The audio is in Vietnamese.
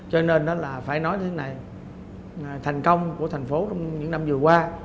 cho nên là phải nói thế này thành công của thành phố trong những năm vừa qua